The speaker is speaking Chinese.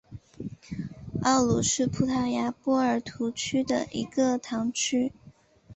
奥卢是葡萄牙波尔图区的一个堂区。